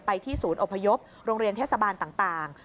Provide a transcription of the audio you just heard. ที่ศูนย์อพยพโรงเรียนเทศบาลต่าง